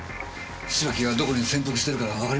芝木がどこに潜伏してるかわかりませんかね。